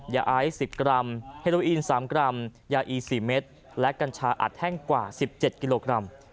ยาไอสิบกรัมเฮโรอีนสามกรัมยาอีสี่เม็ดและกัญชาอัดแห้งกว่าสิบเจ็ดกิโลกรัม